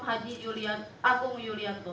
haji julian agung yulianto